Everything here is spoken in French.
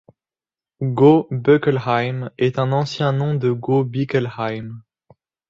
Gau-Böckelheim est un ancien nom de Gau-Bickelheim.